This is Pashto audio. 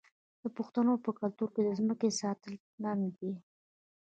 د پښتنو په کلتور کې د ځمکې ساتل ننګ دی.